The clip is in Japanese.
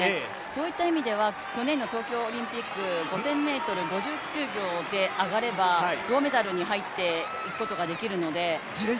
そういった意味では去年の東京オリンピック５０００ｍ５９秒で上がれば銅メダルに入っていくことができるので。